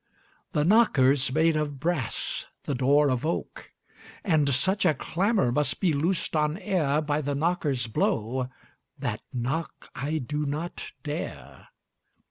The knocker's made of brass, the door of oak, And such a clamor must be loosed on air By the knocker's blow that knock I do not dare.